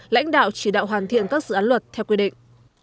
lãnh đạo chỉ đạo hoàn thiện các dự án luật theo quy định